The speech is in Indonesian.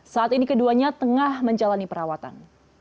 saat ini keduanya tengah menjalani perawatan